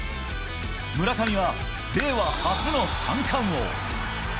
村上は令和初の三冠王。